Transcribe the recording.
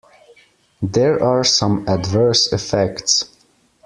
There are some adverse effects.